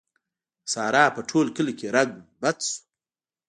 د سارا په ټول کلي کې رنګ بد شو.